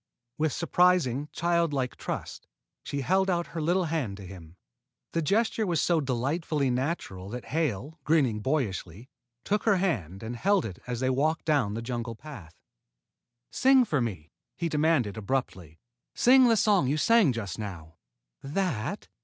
With surprising, childlike trust, she held out her little hand to him. The gesture was so delightfully natural that Hale, grinning boyishly, took her hand and held it as they walked down the jungle path. "Sing for me," he demanded abruptly. "Sing the song you sang just now." "That?"